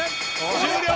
終了！